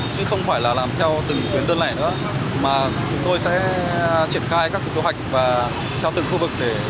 chứ không phải là làm theo từng quyến đơn lẻ nữa mà chúng tôi sẽ triển khai các tổ hạch và theo từng khu vực